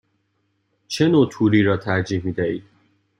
چه نوع توری را ترجیح می دهید؟